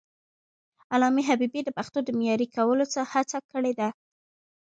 علامه حبيبي د پښتو د معیاري کولو هڅه کړې ده.